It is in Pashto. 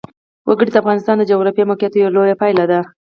وګړي د افغانستان د جغرافیایي موقیعت یوه لویه پایله ده.